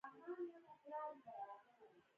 د باران اندازه د بارانسنج په وسیله معلومېږي.